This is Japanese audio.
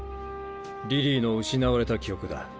リリーの失われた記憶だ。